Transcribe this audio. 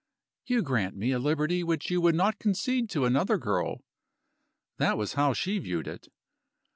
"You grant me a liberty which you would not concede to another girl." That was how she viewed it.